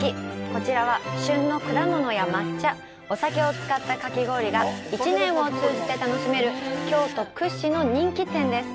こちらは旬の果物や抹茶、お酒を使ったかき氷が１年を通じて楽しめる京都屈指の人気店です。